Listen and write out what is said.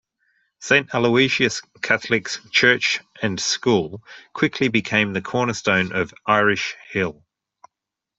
Saint Aloysius Catholic Church and School quickly became the cornerstone of Irish Hill.